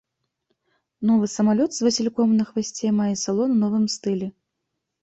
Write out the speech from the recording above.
Новы самалёт з васільком на хвасце мае салон у новым стылі.